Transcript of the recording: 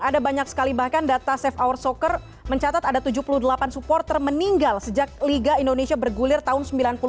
ada banyak sekali bahkan data safe hour soccer mencatat ada tujuh puluh delapan supporter meninggal sejak liga indonesia bergulir tahun seribu sembilan ratus sembilan puluh delapan